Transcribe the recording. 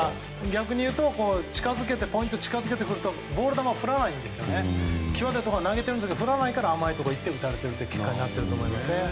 逆にいうとポイントを近づけてくるとボール球を振らないので際どいところに投げてますが甘いところに行って打たれてるという結果になってると思います。